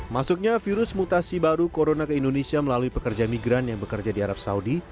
masuknya virus mutasi baru corona ke indonesia melalui pekerja migran yang bekerja di arab saudi